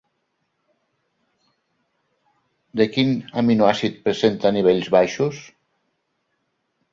De quin aminoàcid presenta nivells baixos?